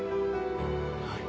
はい。